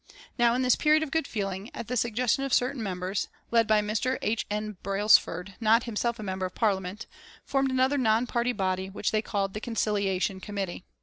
Now, in this period of good feeling, at the suggestion of certain members, led by Mr. H. N. Brailsford, not himself a member of Parliament, formed another non party body which they called the Conciliation Committee.